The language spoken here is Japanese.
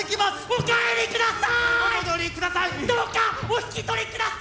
お帰りください！